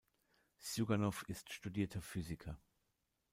Sjuganow ist studierter Physiker.